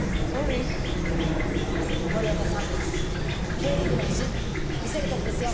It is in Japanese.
経理部の意地見せる時ですよ。